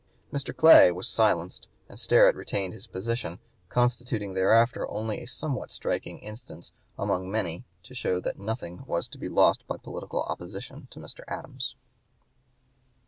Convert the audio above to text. Mr. Clay was silenced, and Sterret retained his position, constituting thereafter only a somewhat striking instance among many to show that nothing was to be lost by political opposition to Mr. Adams.